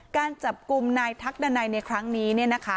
การจับกลุ่มนายทักดันัยในครั้งนี้